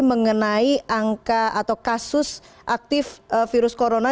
mengenai angka atau kasus aktif virus corona